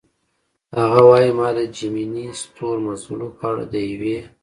هغه وايي: "ما د جیمیني ستورمزلو په اړه د یوې.